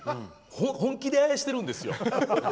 本気であやしてるんですよ。